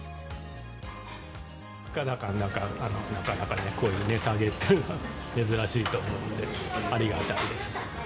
物価高の中でこういう値下げというのは珍しいと思うんでありがたいです。